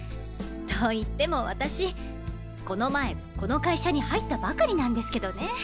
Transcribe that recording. といっても私この前この会社に入ったばかりなんですけどね。